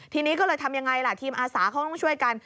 ทีนี้ก็เลยทำยังไงล่ะทีมอาสาเขาต้องช่วยกัน